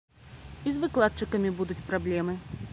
І з выкладчыкамі будуць праблемы.